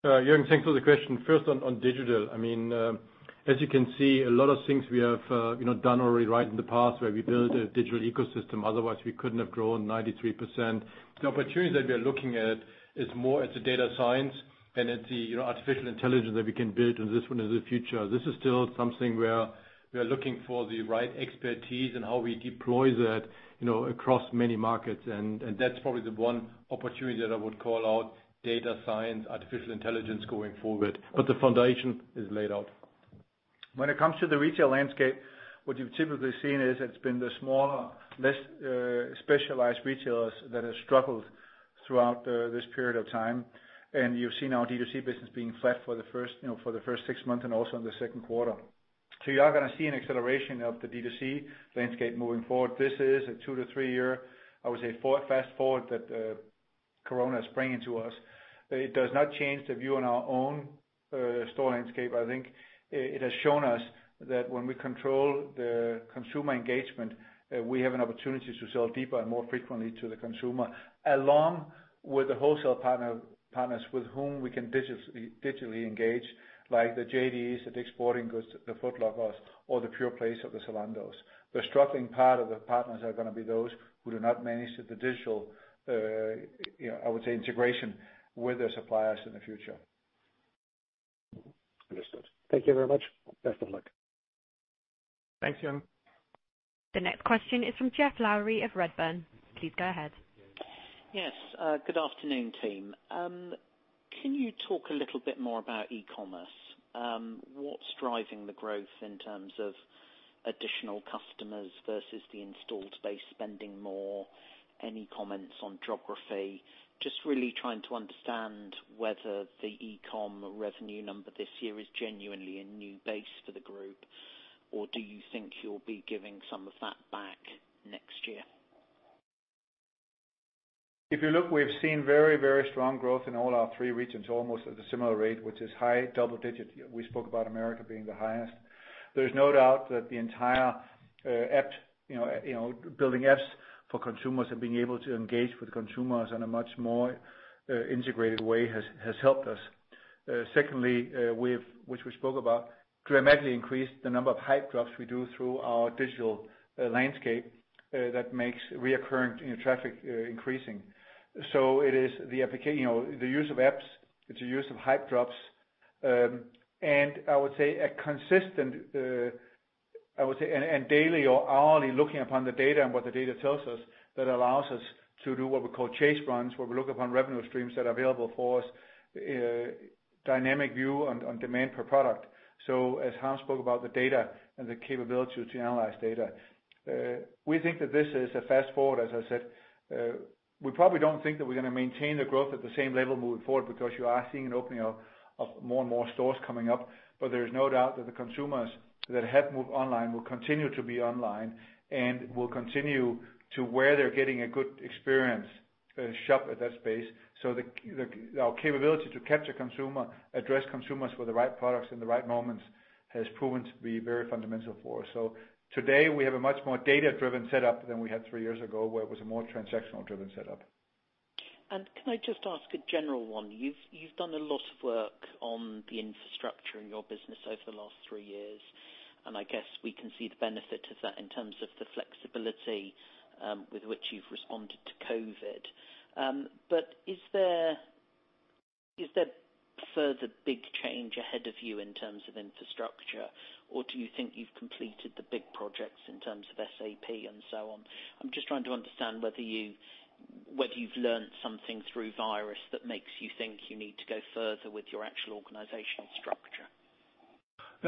Jürgen, thanks for the question. First on digital. As you can see, a lot of things we have done already right in the past where we build a digital ecosystem, otherwise we couldn't have grown 93%. The opportunities that we are looking at is more as a data science and it's the artificial intelligence that we can build on this one in the future. This is still something where we are looking for the right expertise and how we deploy that across many markets. That's probably the one opportunity that I would call out, data science, artificial intelligence going forward. The foundation is laid out. When it comes to the retail landscape, what you've typically seen is it's been the smaller, less specialized retailers that have struggled throughout this period of time. You've seen our D2C business being flat for the first six months and also in the second quarter. You are going to see an acceleration of the D2C landscape moving forward. This is a two to three year, I would say fast-forward that Corona is bringing to us. It does not change the view on our own store landscape. I think it has shown us that when we control the consumer engagement, we have an opportunity to sell deeper and more frequently to the consumer, along with the wholesale partners with whom we can digitally engage, like the JDs, the Dick's Sporting Goods, the Foot Lockers or the Pureplays of the Zalandos. The struggling part of the partners are going to be those who do not manage the digital integration with their suppliers in the future. Understood. Thank you very much. Best of luck. Thanks, Jürgen. The next question is from Geoff Lowery of Redburn. Please go ahead. Yes. Good afternoon, team. Can you talk a little bit more about e-commerce? What's driving the growth in terms of additional customers versus the installed base spending more? Any comments on geography? Just really trying to understand whether the e-commerce revenue number this year is genuinely a new base for the group, or do you think you'll be giving some of that back next year? If you look, we've seen very strong growth in all our three regions, almost at a similar rate, which is high double-digit. We spoke about America being the highest. There is no doubt that the entire building apps for consumers and being able to engage with consumers in a much more integrated way has helped us. Which we spoke about, dramatically increased the number of hype drops we do through our digital landscape that makes recurring traffic increasing. It is the use of apps, it's the use of hype drops, and daily or hourly looking upon the data and what the data tells us that allows us to do what we call chase runs, where we look upon revenue streams that are available for us, dynamic view on demand per product. As Harm spoke about the data and the capability to analyze data, we think that this is a fast-forward, as I said. We probably don't think that we're going to maintain the growth at the same level moving forward because you are seeing an opening of more and more stores coming up. There is no doubt that the consumers that have moved online will continue to be online and will continue to where they're getting a good experience, shop at that space. Our capability to capture consumer, address consumers for the right products in the right moments, has proven to be very fundamental for us. Today, we have a much more data-driven setup than we had three years ago, where it was a more transactional-driven setup. Can I just ask a general one? You've done a lot of work on the infrastructure in your business over the last three years, and I guess we can see the benefit of that in terms of the flexibility with which you've responded to COVID. Is there further big change ahead of you in terms of infrastructure, or do you think you've completed the big projects in terms of SAP and so on? I'm just trying to understand whether you've learned something through virus that makes you think you need to go further with your actual organizational structure.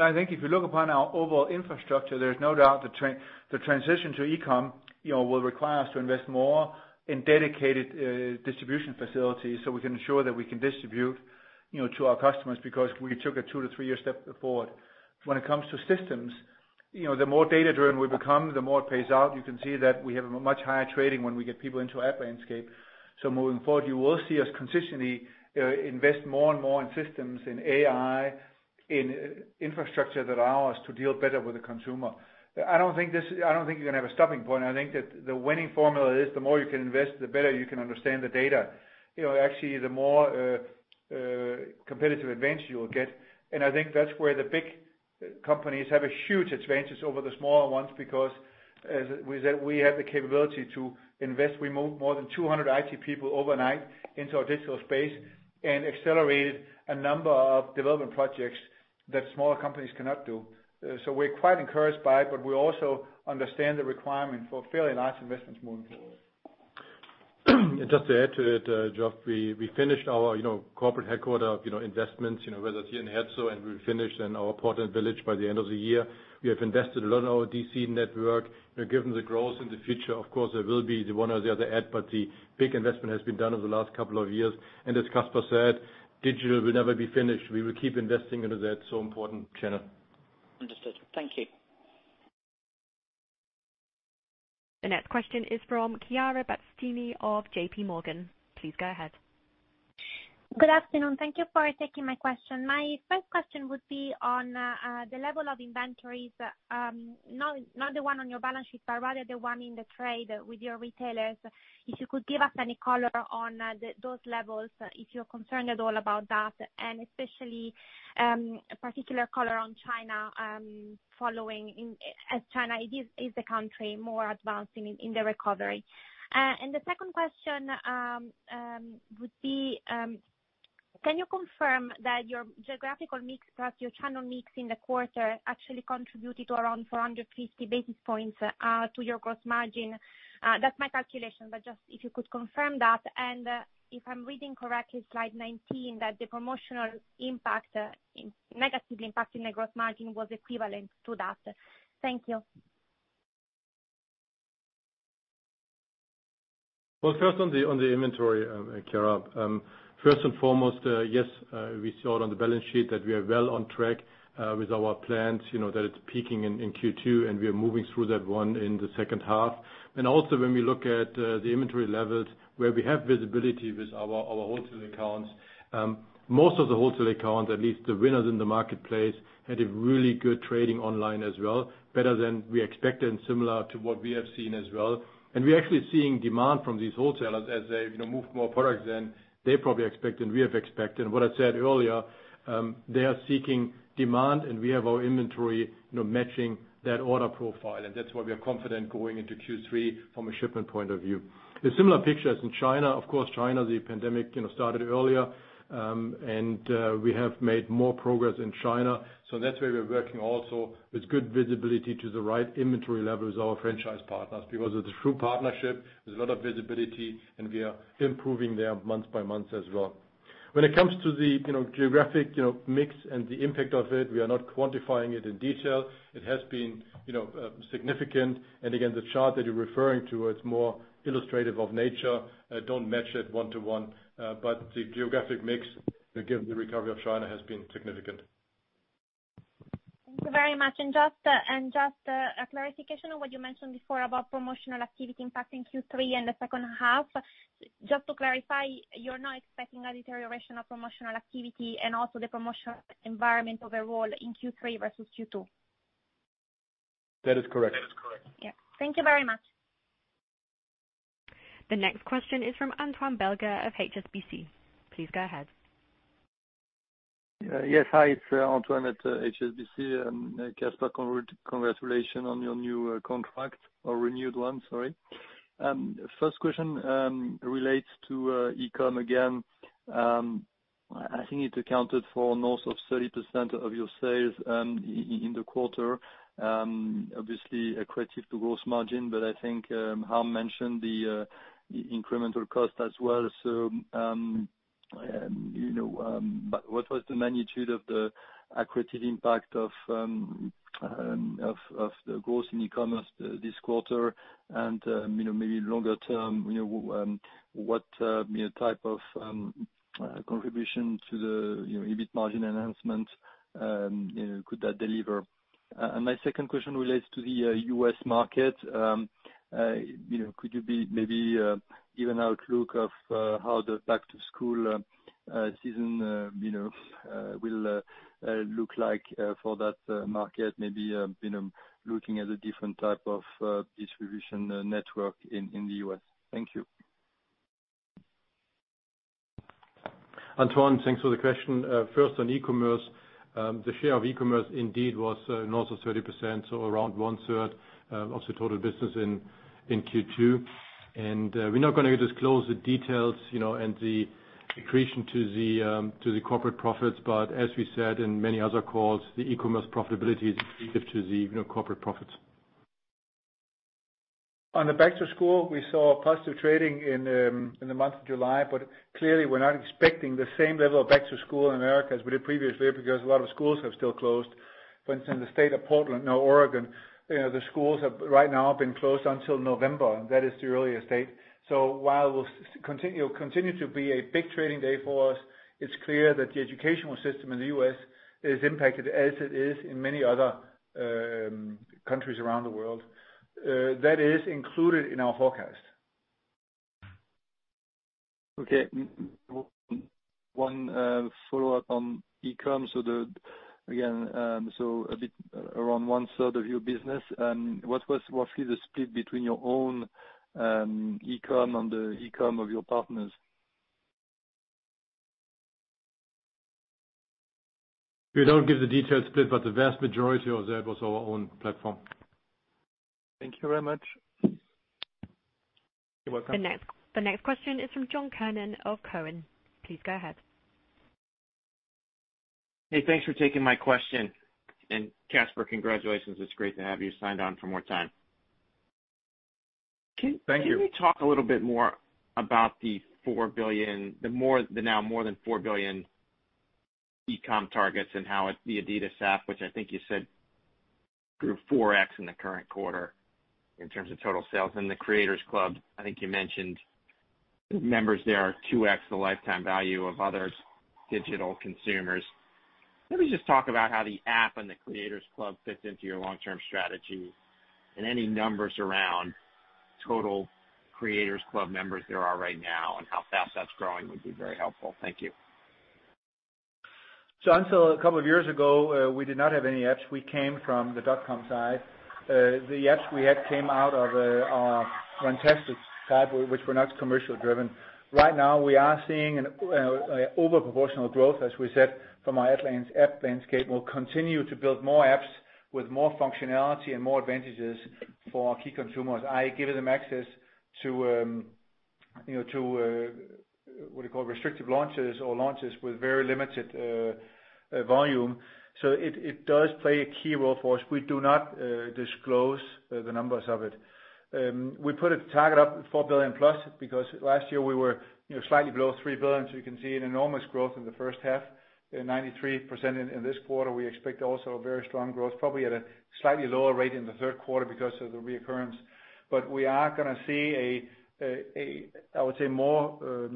I think if you look upon our overall infrastructure, there's no doubt the transition to Jürgen will require us to invest more in dedicated distribution facilities so we can ensure that we can distribute to our customers because we took a two to three year step forward. When it comes to systems, the more data-driven we become, the more it pays out. You can see that we have a much higher trading when we get people into app landscape. Moving forward, you will see us consistently invest more and more in systems, in AI, in infrastructure that allow us to deal better with the consumer. I don't think you're going to have a stopping point. I think that the winning formula is the more you can invest, the better you can understand the data. Actually, the more competitive advantage you will get, and I think that's where the big companies have a huge advantage over the smaller ones because we have the capability to invest. We moved more than 200 IT people overnight into our digital space and accelerated a number of development projects that smaller companies cannot do. We're quite encouraged by it, but we also understand the requirement for fairly large investments moving forward. Just to add to that, Geoff, we finished our corporate headquarter investments, whether it's here in Herzogenaurach and we finished in our adidas Village by the end of the year. We have invested a lot in our DC network. Given the growth in the future, of course, there will be the one or the other add, but the big investment has been done over the last couple of years. As Kasper said, digital will never be finished. We will keep investing into that so important channel. Understood. Thank you. The next question is from Chiara Battistini of JPMorgan. Please go ahead. Good afternoon. Thank you for taking my question. My first question would be on the level of inventories, not the one on your balance sheet, but rather the one in the trade with your retailers. If you could give us any color on those levels, if you're concerned at all about that, especially, particular color on China, following as China is the country more advancing in the recovery. The second question would be, can you confirm that your geographical mix, plus your channel mix in the quarter actually contributed around 450 basis points to your gross margin? That's my calculation, just if you could confirm that, if I'm reading correctly, slide 19, that the promotional negative impact in the gross margin was equivalent to that. Thank you. Well, first on the inventory, Chiara. First and foremost, yes, we saw it on the balance sheet that we are well on track with our plans that it's peaking in Q2, and we are moving through that one in the second half. Also when we look at the inventory levels where we have visibility with our wholesale accounts, most of the wholesale accounts, at least the winners in the marketplace, had a really good trading online as well, better than we expected and similar to what we have seen as well. We are actually seeing demand from these wholesalers as they move more products than they probably expected and we have expected. What I said earlier, they are seeking demand, and we have our inventory matching that order profile. That's why we are confident going into Q3 from a shipment point of view. The similar picture is in China. China, the pandemic started earlier, and we have made more progress in China. That's where we're working also with good visibility to the right inventory levels of our franchise partners. Because it's a true partnership, there's a lot of visibility, and we are improving there month by month as well. When it comes to the geographic mix and the impact of it, we are not quantifying it in detail. It has been significant. Again, the chart that you're referring to, it's more illustrative of nature, don't match it one to one. The geographic mix, again, the recovery of China has been significant. Thank you very much. Just a clarification on what you mentioned before about promotional activity impact in Q3 and the second half. Just to clarify, you're not expecting a deterioration of promotional activity and also the promotional environment overall in Q3 versus Q2? That is correct. Yeah. Thank you very much. The next question is from Antoine Belge of HSBC. Please go ahead. Yes. Hi, it's Antoine at HSBC. Kasper, congratulations on your new contract or renewed one, sorry. First question relates to e-commerce again. I think it accounted for north of 30% of your sales in the quarter. Obviously, accretive to gross margin, but I think Harm mentioned the incremental cost as well. What was the magnitude of the accretive impact of the growth in e-commerce this quarter and, maybe longer term, what type of contribution to the EBIT margin enhancement could that deliver? My second question relates to the U.S. market. Could you maybe give an outlook of how the back-to-school season will look like for that market? Maybe looking at a different type of distribution network in the U.S. Thank you. Antoine, thanks for the question. First on e-commerce. The share of e-commerce indeed was north of 30%, so around one-third of the total business in Q2. We're not going to disclose the details and the accretion to the corporate profits. As we said in many other calls, the e-commerce profitability is accretive to the corporate profits. On the back to school, we saw positive trading in the month of July. Clearly we're not expecting the same level of back to school in the U.S. as we did previously because a lot of schools have still closed. For instance, in the state of Portland, Oregon, the schools have right now been closed until November. That is the earliest date. While it will continue to be a big trading day for us, it's clear that the educational system in the U.S. is impacted as it is in many other countries around the world. That is included in our forecast. Okay. One follow-up on e-commerce. Again, a bit around one-third of your business. What was roughly the split between your own e-commerce and the e-commerce of your partners? We don't give the detailed split, but the vast majority of that was our own platform. Thank you very much. You're welcome. The next question is from John Kernan of Cowen. Please go ahead. Hey, thanks for taking my question. Kasper, congratulations. It is great to have you signed on for more time. Thank you. Can you talk a little bit more about the now more than 4 billion e-commerce targets and how the adidas app, which I think you said grew 4x in the current quarter in terms of total sales and the Creators Club, I think you mentioned members there are 2x the lifetime value of other digital consumers. Maybe just talk about how the app and the Creators Club fits into your long-term strategy and any numbers around total Creators Club members there are right now and how fast that's growing would be very helpful. Thank you. Until a couple of years ago, we did not have any apps. We came from the dotcom side. The apps we had came out of our Runtastic side, which were not commercial driven. Right now, we are seeing an overproportional growth, as we said, from our app landscape. We'll continue to build more apps with more functionality and more advantages for our key consumers, i.e., giving them access to what do you call restrictive launches or launches with very limited volume. It does play a key role for us. We do not disclose the numbers of it. We put a target up 4 billio+ because last year we were slightly below 3 billion. You can see an enormous growth in the first half, 93% in this quarter. We expect also very strong growth, probably at a slightly lower rate in the third quarter because of the reoccurrence. We are going to see a, I would say, more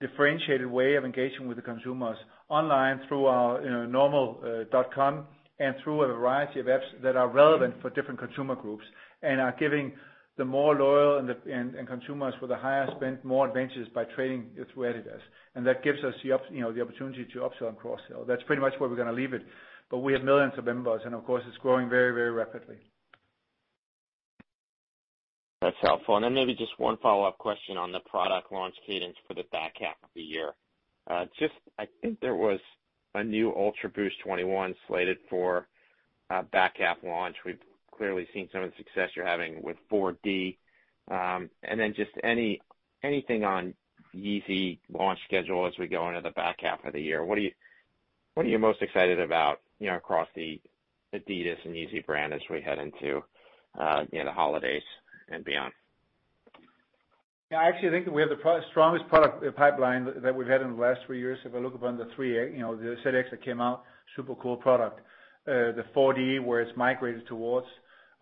differentiated way of engaging with the consumers online through our normal .com and through a variety of apps that are relevant for different consumer groups and are giving the more loyal and consumers with a higher spend more advantages by trading through adidas. That gives us the opportunity to upsell and cross-sell. That's pretty much where we're going to leave it. We have millions of members, and of course, it's growing very rapidly. That's helpful. Maybe just one follow-up question on the product launch cadence for the back half of the year. I think there was a new UltraBoost 21 slated for back half launch. We've clearly seen some of the success you're having with 4D. Just anything on Yeezy launch schedule as we go into the back half of the year. What are you most excited about across the adidas and Yeezy brand as we head into the holidays and beyond? I actually think that we have the strongest product pipeline that we've had in the last three years. If I look upon the 38, the ZX that came out, super cool product. The 4D, where it's migrated towards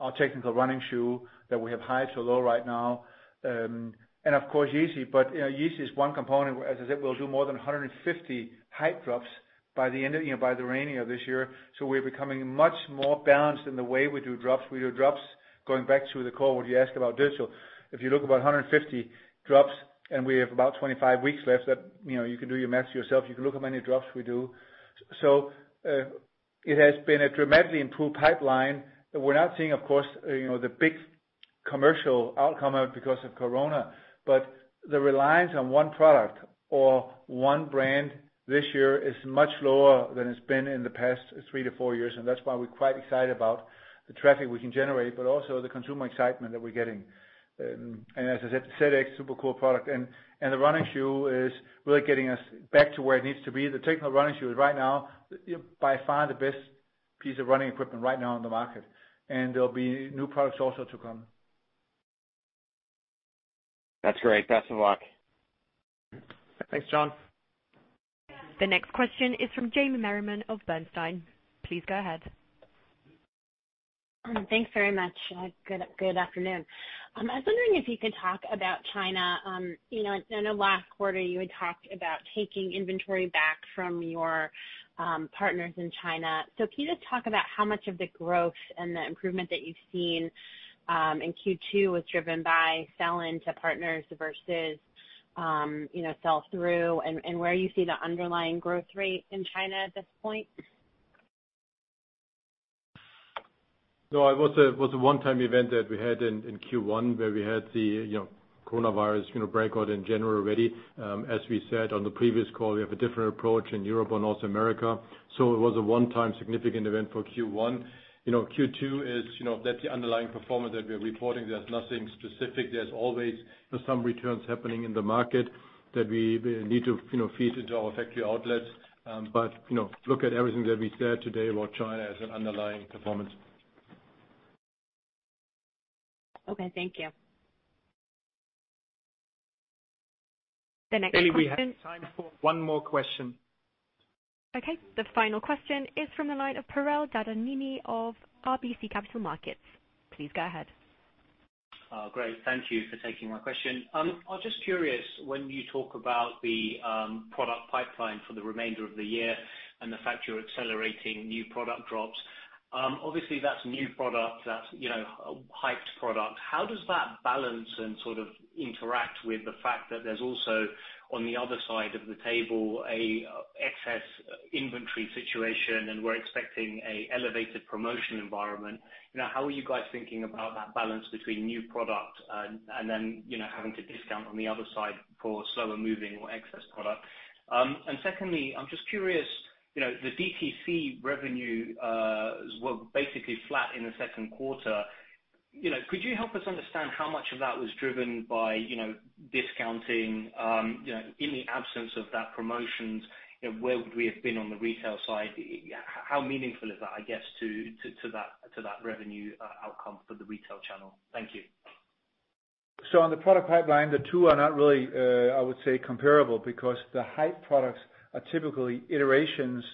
our technical running shoe that we have high to low right now. Of course, Yeezy, but Yeezy is one component, as I said, we'll do more than 150 hype drops by the end of this year. We're becoming much more balanced in the way we do drops. We do drops going back to the core, what you asked about digital. If you look about 150 drops and we have about 25 weeks left, you can do your maths yourself. You can look how many drops we do. It has been a dramatically improved pipeline. We're not seeing, of course, the big commercial outcome out because of corona. The reliance on one product or one brand this year is much lower than it's been in the past three to four years. That's why we're quite excited about the traffic we can generate, but also the consumer excitement that we're getting. As I said, the ZX, super cool product. The running shoe is really getting us back to where it needs to be. The technical running shoe is right now, by far, the best piece of running equipment right now on the market, and there'll be new products also to come. That's great. Best of luck. Thanks, John. The next question is from Jamie Merriman of Bernstein. Please go ahead. Thanks very much. Good afternoon. I was wondering if you could talk about China. I know last quarter you had talked about taking inventory back from your partners in China. Can you just talk about how much of the growth and the improvement that you've seen in Q2 was driven by sell-in to partners versus sell-through, and where you see the underlying growth rate in China at this point? No, it was a one-time event that we had in Q1 where we had the coronavirus breakout in January already. As we said on the previous call, we have a different approach in Europe or North America. It was a one-time significant event for Q1. Q2, that's the underlying performance that we're reporting. There's nothing specific. There's always some returns happening in the market that we need to feed into our factory outlets. Look at everything that we said today about China as an underlying performance. Okay, thank you. The next question. Katie, we have time for one more question. Okay. The final question is from the line of Piral Dadhania of RBC Capital Markets. Please go ahead. Great. Thank you for taking my question. I was just curious, when you talk about the product pipeline for the remainder of the year and the fact you're accelerating new product drops, obviously that's new product, that's hyped product. How does that balance and sort of interact with the fact that there's also, on the other side of the table, an excess inventory situation and we're expecting an elevated promotion environment. How are you guys thinking about that balance between new product and then having to discount on the other side for slower-moving or excess product? Secondly, I'm just curious, the DTC revenue was basically flat in the second quarter. Could you help us understand how much of that was driven by discounting? In the absence of that promotions, where would we have been on the retail side? How meaningful is that, I guess, to that revenue outcome for the retail channel? Thank you. On the product pipeline, the two are not really, I would say, comparable because the hype products are typically iterations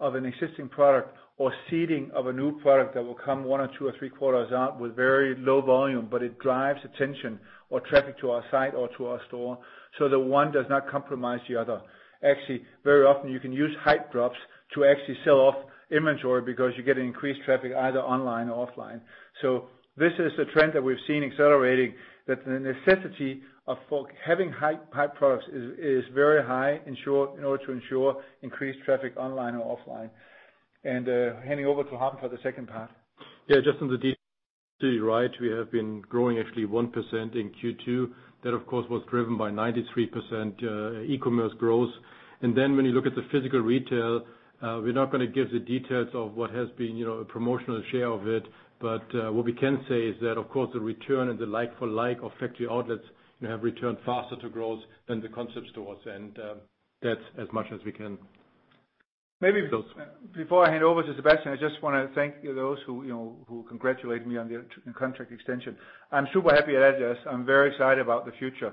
of an existing product or seeding of a new product that will come one or two or three quarters out with very low volume, but it drives attention or traffic to our site or to our store. The one does not compromise the other. Actually, very often you can use hype drops to actually sell off inventory because you get increased traffic either online or offline. This is the trend that we've seen accelerating, that the necessity of having hype products is very high in order to ensure increased traffic online or offline. Handing over to Harm for the second part. Yeah, just on the DTC, right, we have been growing actually 1% in Q2. That, of course, was driven by 93% e-commerce growth. Then when you look at the physical retail, we're not going to give the details of what has been a promotional share of it, but what we can say is that, of course, the return and the like for like of factory outlets have returned faster to growth than the concept stores. That's as much as we can. Maybe before I hand over to Sebastian, I just want to thank those who congratulated me on the contract extension. I'm super happy at adidas. I'm very excited about the future.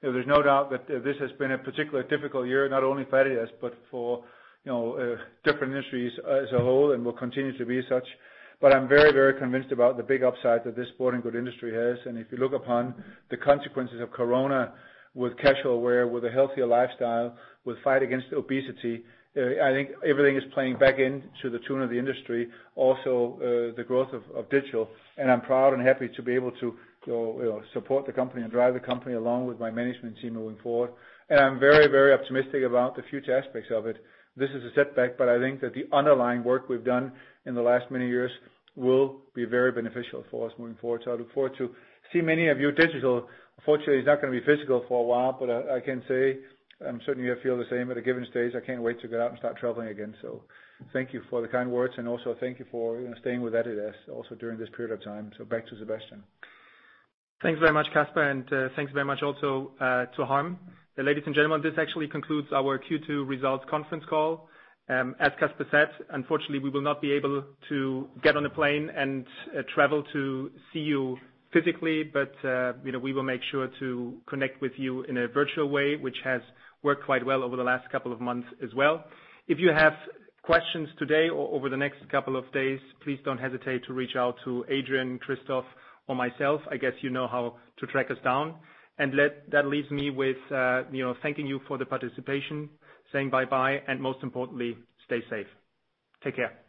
There's no doubt that this has been a particularly difficult year, not only for adidas, but for different industries as a whole and will continue to be as such. I'm very convinced about the big upside that this sporting goods industry has. If you look upon the consequences of Corona with casual wear, with a healthier lifestyle, with fight against obesity, I think everything is playing back into the tune of the industry, also the growth of digital. I'm proud and happy to be able to support the company and drive the company along with my management team moving forward. I'm very optimistic about the future aspects of it. This is a setback, but I think that the underlying work we've done in the last many years will be very beneficial for us moving forward. I look forward to see many of you digital. Unfortunately, it's not going to be physical for a while, but I can say I'm certainly going to feel the same at a given stage. I can't wait to get out and start traveling again. Thank you for the kind words, and also thank you for staying with adidas also during this period of time. Back to Sebastian. Thanks very much, Kasper, and thanks very much also to Harm. Ladies and gentlemen, this actually concludes our Q2 results conference call. As Kasper said, unfortunately, we will not be able to get on a plane and travel to see you physically, but we will make sure to connect with you in a virtual way, which has worked quite well over the last couple of months as well. If you have questions today or over the next couple of days, please don't hesitate to reach out to Adrian, Christoph, or myself. I guess you know how to track us down. That leaves me with thanking you for the participation, saying bye-bye, and most importantly, stay safe. Take care.